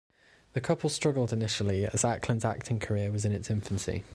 The couple struggled initially as Ackland's acting career was in its infancy.